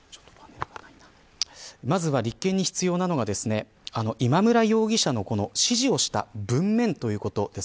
まず立件に必要なのが今村容疑者の指示をした文面ということです。